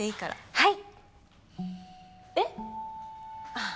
はい。